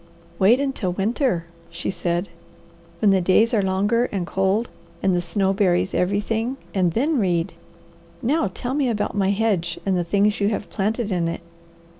"Wait until winter," she said, "when the days are longer and cold, and the snow buries everything, and then read. Now tell me about my hedge and the things you have planted in it."